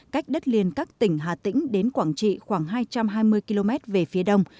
cách đất liền các tỉnh hà tĩnh đến quảng trị khoảng hai trăm hai mươi km về phía đông